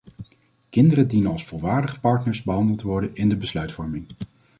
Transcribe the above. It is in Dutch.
Kinderen dienen als volwaardige partners behandeld te worden in de besluitvorming.